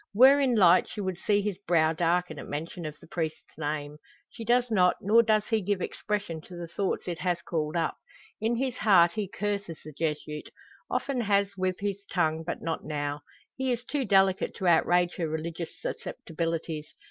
Were in light she would see his brow darken at mention of the priest's name. She does not, nor does he give expression to the thoughts it has called up. In his heart he curses the Jesuit often has with his tongue, but not now. He is too delicate to outrage her religious susceptibilities.